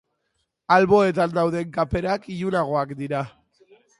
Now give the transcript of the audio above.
Alboetan dauden kaperak ilunagoak dira.